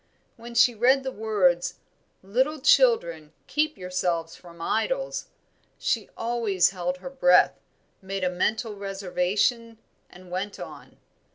When she read the words, "Little children, keep yourselves from idols," she always held her breath, made a mental reservation, and went on.